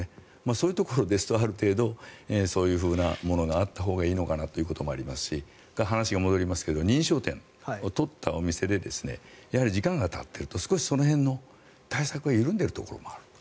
そういうところですとある程度そういうものがあったほうがいいのかなということもありますし話が戻りますけど認証店を取ったお店でやはり時間がたっているとその辺の対策が少し緩んでいるところもある。